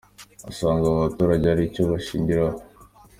Asanga aba baturage hari icyo bashingiraho.